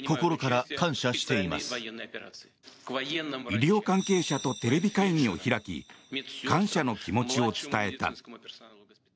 医療関係者とテレビ会議を開き感謝の気持ちを伝えた。